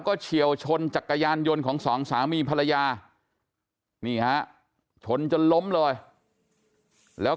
ก็เฉียวชนจักรยานยนต์ของสองสามีภรรยานี่ฮะชนจนล้มเลยแล้ว